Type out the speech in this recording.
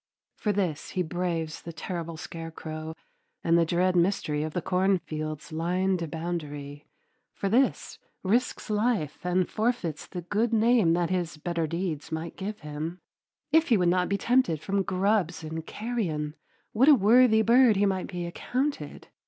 For this he braves the terrible scarecrow and the dread mystery of the cornfield's lined boundary, for this risks life and forfeits the good name that his better deeds might give him. If he would not be tempted from grubs and carrion, what a worthy bird he might be accounted.